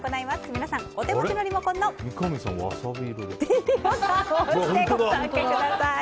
皆さん、お手持ちのリモコンのｄボタンを押してください。